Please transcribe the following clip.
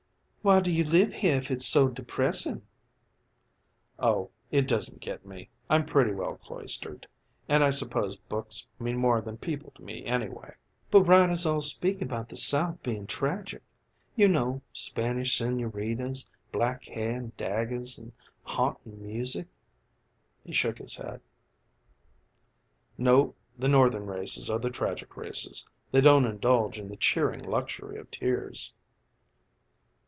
"Why do you live here if it's so depressing?" "Oh, it doesn't get me. I'm pretty well cloistered, and I suppose books mean more than people to me anyway." "But writers all speak about the South being tragic. You know Spanish señoritas, black hair and daggers an' haunting music." He shook his head. "No, the Northern races are the tragic races they don't indulge in the cheering luxury of tears."